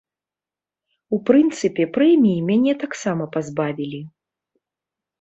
У прынцыпе, прэміі мяне таксама пазбавілі.